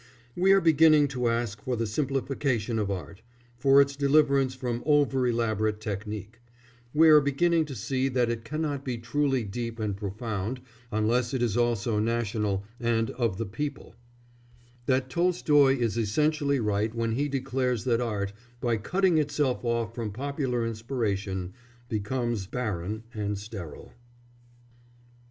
We are beginning to ask for the simplification of art, for its deliverance from over elaborate technique; we are beginning to see that it cannot be truly deep and profound unless it is also national and of the people; that Tolstoy is essentially right when he declares that art, by cutting itself off from popular inspiration, becomes barren and sterile.